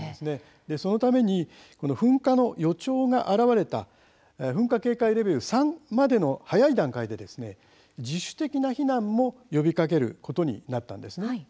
そのために噴火の予兆が現れた噴火警戒レベル３までの早い段階で自主的な避難も呼びかけることになったんです。